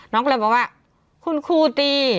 น้องก็เลยบอกว่าคุณครูตี